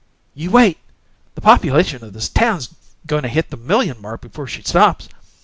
"You wait! The population of this town's goin' to hit the million mark before she stops."...